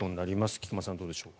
菊間さん、どうでしょう。